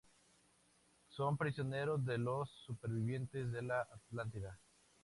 Son prisioneros de los supervivientes de la Atlántida.